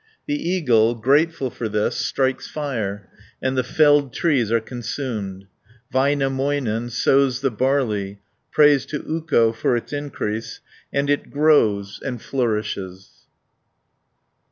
The eagle, grateful for this, strikes fire, and the felled trees are consumed (265 284). Väinämöinen sows the barley, prays to Ukko for its increase, and it grows and flourishes (285 378).